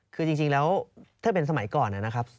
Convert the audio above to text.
คือจริงแล้วถ้าเป็นสมัยก่อนนะครับ